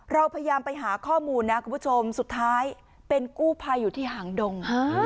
เราพยายามไปหาข้อมูลนะคุณผู้ชมสุดท้ายเป็นกู้ภัยอยู่ที่หางดง